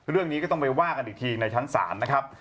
เรื่องนี้ก็ต้องไปว่ากันอีกทีในชั้นศาลนะครับ